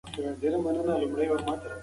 موږ د خپلو ادیبانو په نومونو سر لوړي یو.